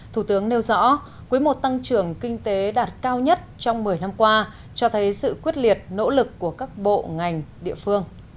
thủ tướng nêu rõ quý i tăng trưởng kinh tế đạt cao nhất trong một mươi năm qua cho thấy sự quyết liệt nỗ lực của các bộ ngành địa phương